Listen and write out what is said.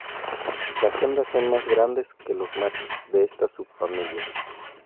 Las hembras son más grandes que los machos de esta subfamilia.